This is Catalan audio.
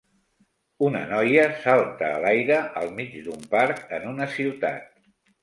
Una noia salta a l'aire al mig d'un parc en una ciutat.